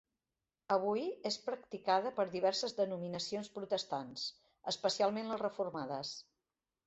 Avui és practicada per diverses denominacions protestants, especialment les reformades.